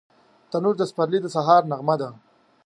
تنور د پسرلي د سهار نغمه ده